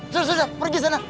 sudah sudah pergi sana